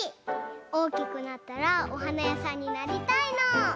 おおきくなったらおはなやさんになりたいの！